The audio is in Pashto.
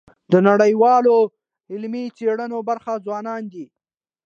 د نړیوالو علمي څېړنو برخه ځوانان دي.